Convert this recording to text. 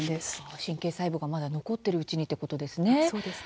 神経細胞がまだ残っているうちにということですね。